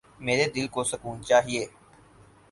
میرے دل کو سکون چایئے